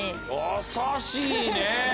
優しいね。